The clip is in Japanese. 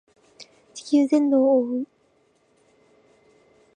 地球全土を覆う